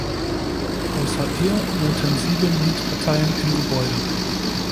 Außer ihr wohnten sieben Mietparteien im Gebäude.